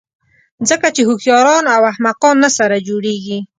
ځکه چې هوښیاران او احمقان نه سره جوړېږي.